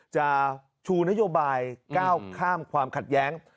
จะชูนโยบายก้าวข้ามความขัดแย้ง